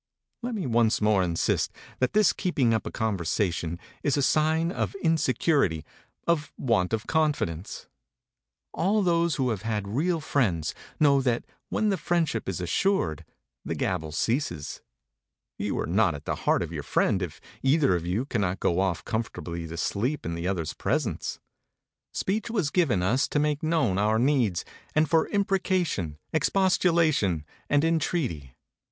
Let me once more insist that this keeping up a conversation is a sign of insecurity, of want of confidence. All those who have had real friends know that when the friendship is assured the gabble ceases. You are not at the heart of your friend, if either of you cannot go off comfortably to sleep in the other's presence. Speech was given us to make known our needs, and for imprecation, expostulation, and entreaty.